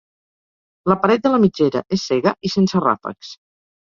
La paret de la mitgera és cega i sense ràfecs.